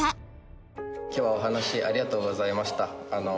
「今日はお話ありがとうございました」